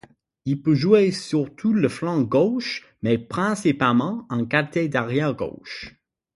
Il peut jouer sur tout le flanc gauche, mais principalement en qualité d'arrière gauche.